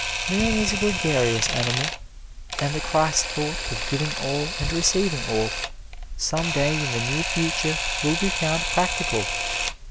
Man is a gregarious animal, and the Christ thought of giving all, and receiving all, some day in the near future will be found practical.